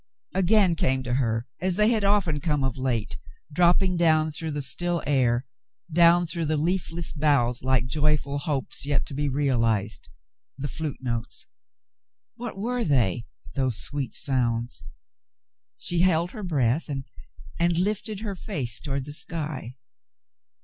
Again came to her, as they had often come of late, dropping down through the still air, down through the leafless boughs like joyful hopes yet to be realized, the flute notes. What were they, those sweet sounds ? She held her breath and lifted her face toward the sky.